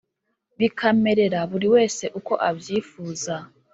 bikamerera buri wese uko abyifuza.